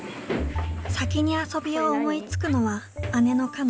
先に遊びを思いつくのは姉のかの。